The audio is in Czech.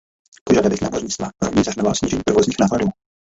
Požadavek námořnictva rovněž zahrnoval snížení provozních nákladů.